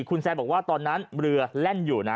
คุณแซนบอกว่าตอนนั้นเรือแล่นอยู่นะ